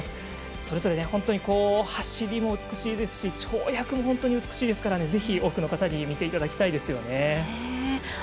それぞれ、本当に走りも美しいですし跳躍も本当に美しいですからぜひ多くの方に見ていただきたいですね。